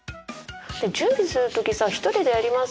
準備する時さ一人でやります？